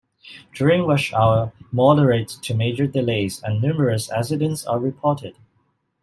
During rush-hour moderate to major delays and numerous accidents are reported.